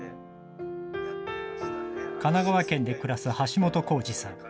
神奈川県で暮らす橋本康二さん。